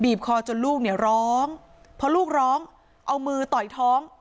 คอจนลูกเนี่ยร้องพอลูกร้องเอามือต่อยท้อง